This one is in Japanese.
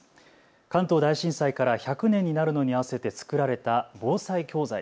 関東大震災から１００年になるのに合わせて作られた防災教材。